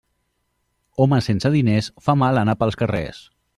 Home sense diners fa mal anar pels carrers.